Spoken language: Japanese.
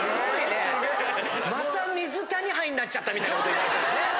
すごいね。